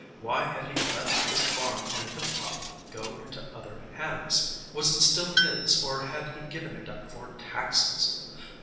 Why had he let his farm on the hilltop go into other hands? Was it still his, or had he given it up for taxes?